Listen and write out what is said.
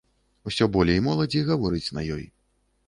Усё болей моладзі гаворыць на ёй.